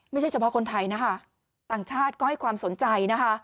ไม่ใช่เฉพาะคนไทยนะคะต่างชาติก็ให้ความสนใจนะคะ